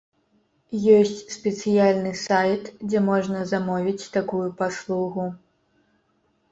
Ёсць спецыяльны сайт, дзе можна замовіць такую паслугу.